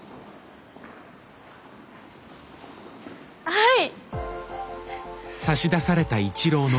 はい！